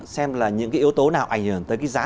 xem những yếu tố nào ảnh hưởng tới giá